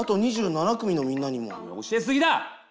教え過ぎだ！